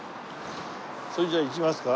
それじゃあ行きますか。